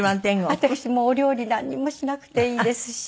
私もうお料理なんにもしなくていいですし。